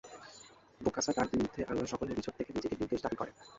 বোকাসা তাঁর বিরুদ্ধে আনা সকল অভিযোগ থেকে নিজেকে নির্দোষ দাবি করেন।